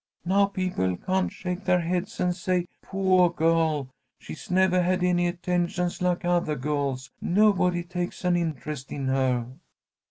Now people can't shake their heads and say poah girl, she's nevah had any attentions like othah girls. Nobody takes any interest in her."